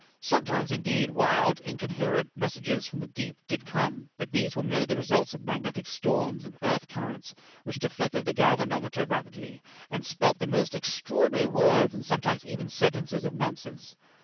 Sometimes, indeed, wild, incoherent messages from the deep did come, but these were merely the results of magnetic storms and earth currents, which deflected the galvanometer rapidly, and spelt the most extraordinary words, and sometimes even sentences of nonsense.